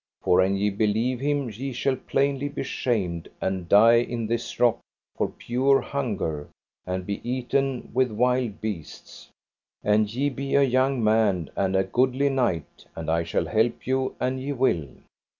For an ye believe him ye shall plainly be shamed, and die in this rock for pure hunger, and be eaten with wild beasts; and ye be a young man and a goodly knight, and I shall help you an ye will.